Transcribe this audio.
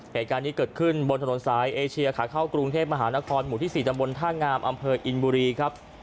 เหตุการณ์นี้เกิดขึ้นบนถนนสายเอเชียขาเข้ากรุงเทพมหานครหมู่ที่๔ตำบลท่างามอำเภออินบุรีครับ